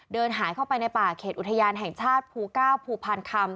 เดินหายเข้าไปในป่าเขตอุทยานแห่งชาติภูเก้าภูพานคำ